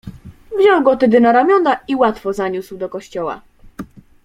"Wziął go tedy na ramiona i łatwo zaniósł do kościoła."